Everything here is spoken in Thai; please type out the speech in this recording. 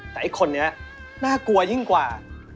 แต่ไอ้คนนี้น่ากลัวยิ่งกว่า